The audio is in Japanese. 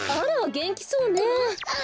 げんきそうね。